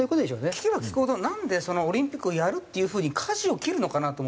聞けば聞くほどなんでオリンピックをやるっていう風に舵を切るのかなと思って。